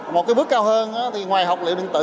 một cái bước cao hơn thì ngoài học liệu điện tử